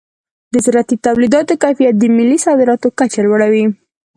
د زراعتي تولیداتو کیفیت د ملي صادراتو کچه لوړوي.